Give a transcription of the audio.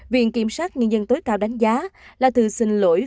viện kiểm sát nhân dân tối cao đánh giá là từ xin lỗi